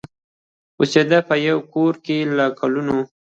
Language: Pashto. اوسېده په یوه کورکي له کلونو